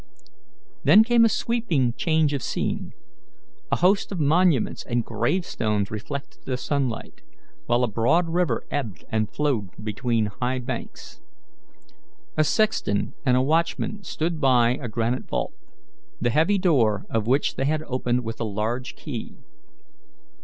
Then came a sweeping change of scene. A host of monuments and gravestones reflected the sunlight, while a broad river ebbed and flowed between high banks. A sexton and a watchman stood by a granite vault, the heavy door of which they had opened with a large key.